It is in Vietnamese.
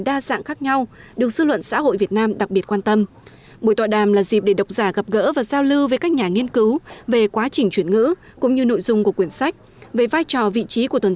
đa dạng và đặc biệt là những bài viết được chọn lọc và sắp xếp theo bố cục thời gian